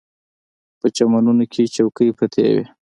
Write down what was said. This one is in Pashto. په چمنونو کې چوکۍ پرتې وې.